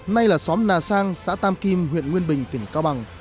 nay là xóm nà sang xã tam kim huyện nguyên bình tỉnh cao bằng